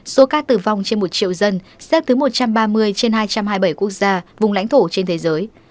số ca tử vong trên một triệu dân xếp thứ một trăm ba mươi trên hai trăm hai mươi bảy quốc gia vùng lãnh thổ trên thế giới